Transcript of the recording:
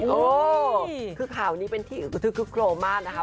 โอ้คือข่าวนี้เป็นที่โครงมากนะคะ